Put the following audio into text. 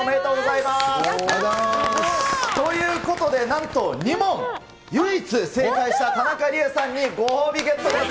やったー！ということで、なんと２問、唯一、正解した田中理恵さんにご褒美ゲットです。